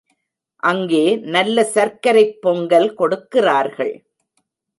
அங்கே நல்ல சர்க்கரைப் பொங்கல் கொடுக்கிறார்கள்.